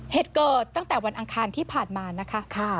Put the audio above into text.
เหตุเกิดตั้งแต่วันอังคารที่ผ่านมานะคะ